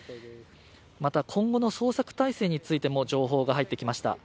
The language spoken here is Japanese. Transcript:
また、今後の捜索体制についても情報が入ってきました。